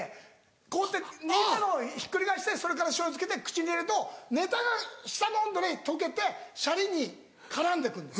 こうやって握ったのをひっくり返してそれから醤油つけて口に入れるとネタが舌の温度で溶けてシャリに絡んで来るんです。